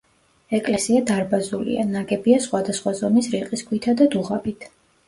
ეკლესია დარბაზულია, ნაგებია სხვადასხვა ზომის რიყის ქვითა და დუღაბით.